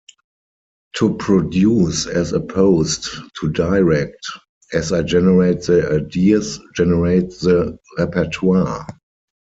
To produce as opposed to direct, as I generate the ideas, generate the repertoire.